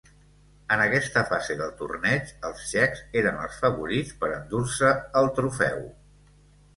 En aquesta fase del torneig, els txecs eren els favorits per endur-se el trofeu.